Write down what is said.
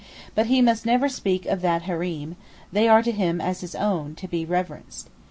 But then he must never speak of that Hareem; they are to him as his own, to be reverenced.